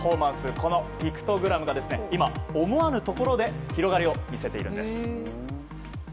このピクトグラムが今、思わぬところで広がりを見せているんです。